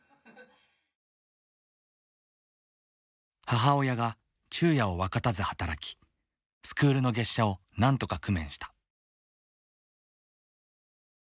母親が昼夜を分かたず働きスクールの月謝をなんとか工面した。